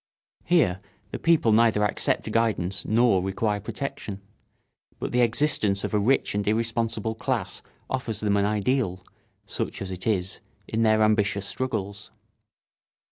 Here the people neither accept guidance nor require protection; but the existence of a rich and irresponsible class offers them an ideal, such as it is, in their ambitious struggles.